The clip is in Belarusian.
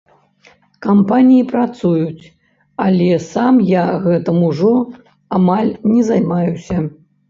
Кампаніі працуюць, але сам я гэтым ужо амаль не займаюся.